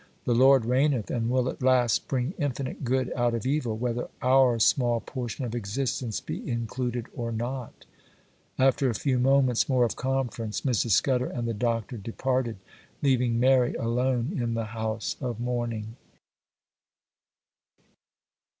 The Lord reigneth, and will at last bring infinite good out of evil, whether our small portion of existence be included or not.' After a few moments more of conference, Mrs. Scudder and the Doctor departed, leaving Mary alone in the house of mourning.